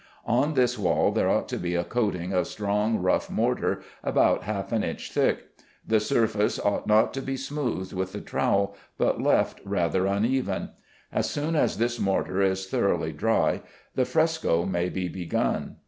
On this wall there ought to be a coating of strong rough mortar about half an inch thick. The surface ought not to be smoothed with the trowel, but left rather uneven. As soon as this mortar is thoroughly dry, the fresco may be begun.